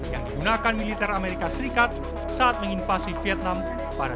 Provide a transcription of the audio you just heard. yang digunakan militer amerika serikat saat menginvasi vietnam pada seribu sembilan ratus enam puluh empat